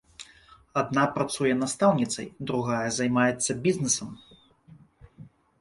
Адна працуе настаўніцай, другая займаецца бізнесам.